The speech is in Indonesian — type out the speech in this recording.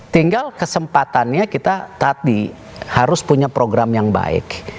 tinggal kesempatannya kita tadi harus punya program yang baik